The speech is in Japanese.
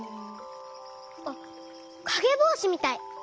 あっかげぼうしみたい！